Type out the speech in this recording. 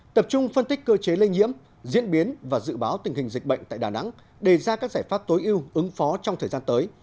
tập trung phân tích cơ chế lây nhiễm diễn biến và dự báo tình hình dịch bệnh tại đà nẵng đề ra các giải pháp tối ưu ứng phó trong thời gian tới